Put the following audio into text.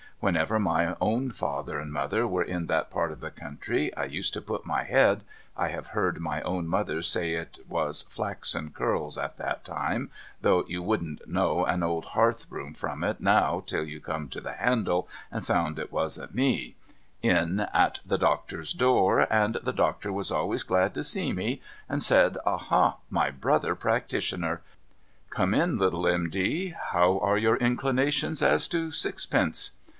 Whenever my own father and mother were in that i)art of the country, I used to put my head (I have heard my own mother say it was flaxen curls at that time, though you wouUln't know an old heartli broom from it now till you come to the handle, and found it wasn't me) in at the doctor's door, and the doctor was always glad to see me, and said, ' Aha, my brother practitioner ! Come in, little M.D. How are your inclinations as to sixpence